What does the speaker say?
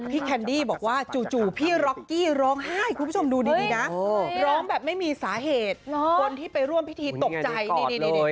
พี่แครนดี้บอกว่าจู่พี่ร๊อคกี้ร้องไห้เกิดไปร่วมพิธีตกใจดี